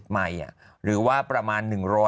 ๖๐มีหรือว่าประมาณ